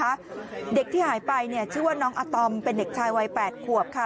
แล้วน้องป่วยเป็นเด็กออทิสติกของโรงเรียนศูนย์การเรียนรู้พอดีจังหวัดเชียงใหม่นะคะ